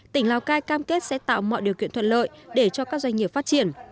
tỉnh lào cai cam kết sẽ tạo mọi điều kiện thuận lợi để cho các doanh nghiệp phát triển